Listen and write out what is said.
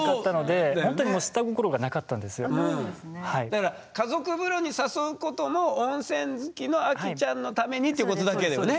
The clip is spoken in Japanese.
だから家族風呂に誘うことも温泉好きのアキちゃんのためにっていうことだけだよね。